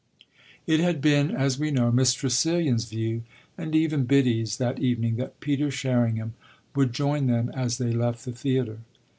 It had been, as we know, Miss Tressilian's view, and even Biddy's, that evening, that Peter Sherringham would join them as they left the theatre.